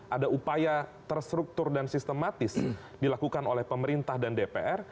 ada upaya terstruktur dan sistematis dilakukan oleh pemerintah dan dpr